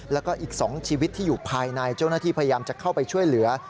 แล้วก็อีก๒ชีวิตที่อยู่ภายในเจ้าหน้าที่พยายามจะเข้าไปช่วยเหลือ